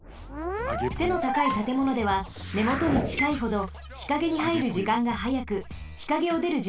せのたかいたてものではねもとにちかいほど日陰にはいるじかんがはやく日陰をでるじかんがおそくなります。